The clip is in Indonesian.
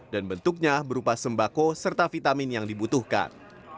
dan bentuknya berupa sembako serta vitamin yang dibutuhkan